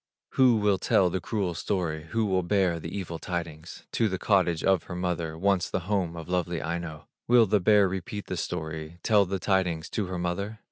Who will tell the cruel story, Who will bear the evil tidings To the cottage of her mother, Once the home of lovely Aino? Will the bear repeat the story, Tell the tidings to her mother?